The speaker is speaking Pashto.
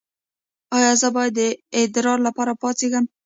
ایا زه باید د ادرار لپاره پاڅیږم؟